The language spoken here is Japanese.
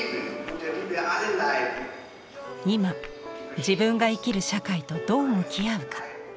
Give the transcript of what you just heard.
今自分が生きる社会とどう向き合うか？